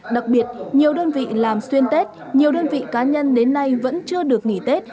đặc biệt nhiều đơn vị làm xuyên tết nhiều đơn vị cá nhân đến nay vẫn chưa được nghỉ tết